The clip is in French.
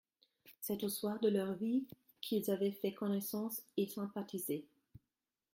C’est au soir de leur vie qu’ils avaient fait connaissance et sympathisé.